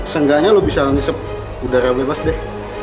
seenggaknya lo bisa ngisep udara bebas deh